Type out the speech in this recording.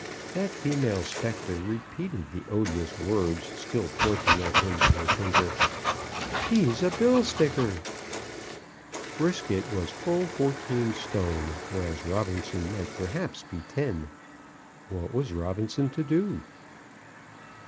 That female spectre repeated the odious words, still pointing at him with her finger, "He's a bill sticker!" Brisket was full fourteen stone, whereas Robinson might perhaps be ten. What was Robinson to do?